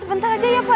sebentar aja ya pak